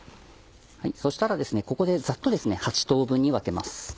そしたらここでざっと８等分に分けます。